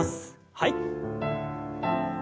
はい。